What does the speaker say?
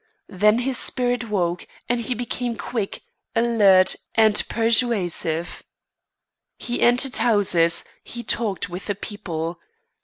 Then his spirit woke, and he became quick, alert, and persuasive. He entered houses; he talked with the people.